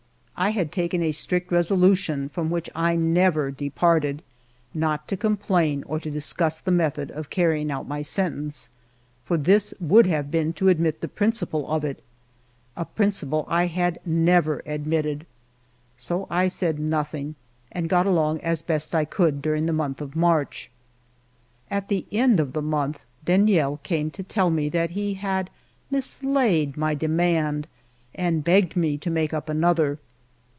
I had taken a strict resolution, from which I never departed, not to complain or to discuss the method of carrying out my sentence, for this would have been to admit the principle of it, a principle I had never admitted ; so I said nothing, and got along as best I could during the month of March. At the end of the month Deniel came to tell me that he had mislaid my demand and begged me to make up another.